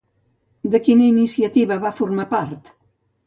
De quina iniciativa va formar part?